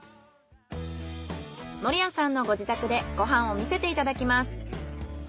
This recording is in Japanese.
森谷さんのご自宅でご飯を見せていただきます。